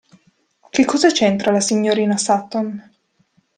Che cosa c'entra la signorina Sutton?